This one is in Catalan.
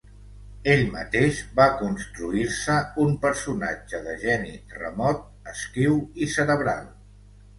Ell mateix va construir-se un personatge de geni remot, esquiu i cerebral.